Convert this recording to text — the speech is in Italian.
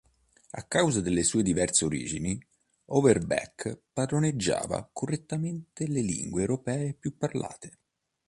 A causa delle sue diverse origini, Overbeck padroneggiava correntemente le lingue europee più parlate.